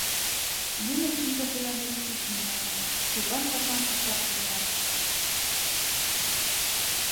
Нуно киндым поян деч кӱсын налыт, тудлан пашам ышташ полшат.